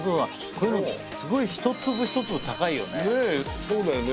こういうのすごい一粒一粒高いよね。